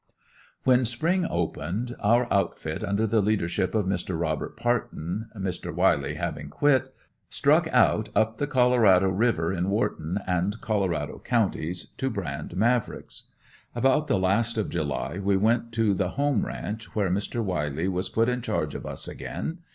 When spring opened, our outfit, under the leadership of Mr. Robert Partin, Mr. Wiley having quit, struck out up the Colorado river in Whorton and Colorado counties to brand Mavricks. About the last of July we went to the "home" ranch, where Mr. Wiley was put in charge of us again.